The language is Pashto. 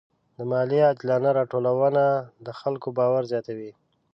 د مالیې عادلانه راټولونه د خلکو باور زیاتوي.